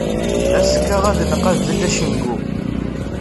Azekka ad nqabel acengu.